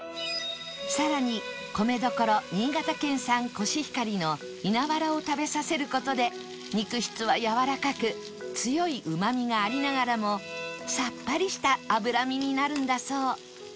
さらに米どころ新潟県産コシヒカリの稲わらを食べさせる事で肉質はやわらかく強いうまみがありながらもさっぱりした脂身になるんだそう